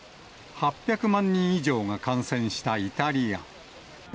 ８００万人以上が感染したイタリア。